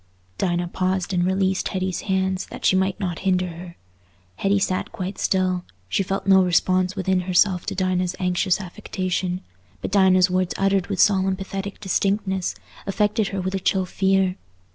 Dinah paused and released Hetty's hands that she might not hinder her. Hetty sat quite still; she felt no response within herself to Dinah's anxious affection; but Dinah's words uttered with solemn pathetic distinctness, affected her with a chill fear.